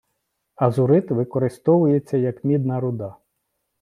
Азурит використовується як мідна руда